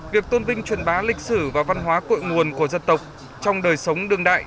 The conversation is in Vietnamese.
việc tôn vinh truyền bá lịch sử và văn hóa cội nguồn của dân tộc trong đời sống đương đại